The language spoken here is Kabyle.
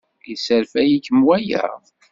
Yesserfay-ikem waya?